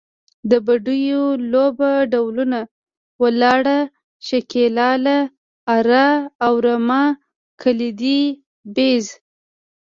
د بډیو لوبو ډولونه، ولاړه، شکیلاله، اره او رمه، ګیلدي، بیز …